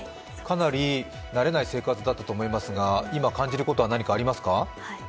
かなり慣れない生活だったと思いますが、今、感じることは何かありますか？